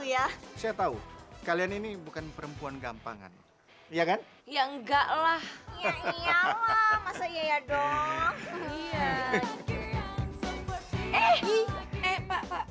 ya saya tahu kalian ini bukan perempuan gampangan iya kan ya enggaklah iya masa iya dong iya